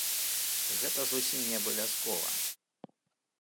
Гэта зусім не абавязкова.